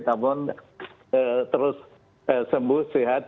namun terus sembuh sehat